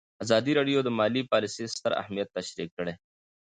ازادي راډیو د مالي پالیسي ستر اهميت تشریح کړی.